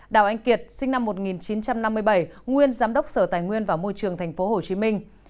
đào anh kiệt sinh năm một nghìn chín trăm năm mươi bảy nguyên giám đốc sở tài nguyên và môi trường tp hcm